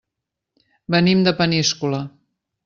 Venim de Peníscola.